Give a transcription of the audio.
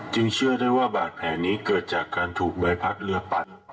เชื่อได้ว่าบาดแผลนี้เกิดจากการถูกใบพัดเรือปัด